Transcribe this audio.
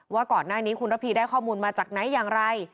ว่าก่อนหน้านี้คุณระพีได้ข้อมูลมาจากไหนอย่างไร